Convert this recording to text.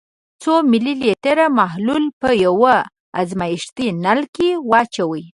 څو ملي لیتره محلول په یو ازمیښتي نل کې واچوئ.